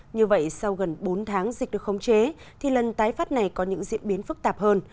như vậy sau gần bốn tháng dịch được khống chế thì lần tái phát này có những diễn biến phức tạp hơn